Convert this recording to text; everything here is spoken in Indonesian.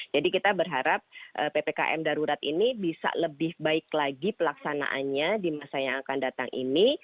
jadi kita berharap ppkm darurat ini bisa lebih baik lagi pelaksanaannya di masa yang akan datang ini